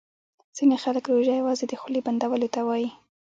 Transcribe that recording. ځیني خلګ روژه یوازي د خولې بندولو ته وايي